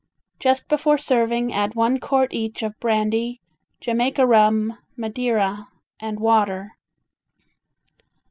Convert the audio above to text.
Just before serving add one quart each of brandy, Jamaica rum, Madeira and water.